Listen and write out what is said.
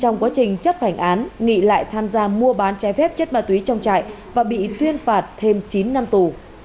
nghị chấp hành án nghị lại tham gia mua bán chai phép chất ma túy trong trại và bị tuyên phạt thêm chín năm tù